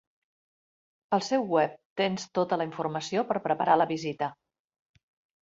Al seu web tens tota la informació per preparar la visita.